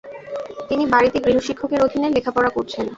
তিনি বাড়িতে গৃহশিক্ষকের অধীনে লেখাপড়া করেছেন।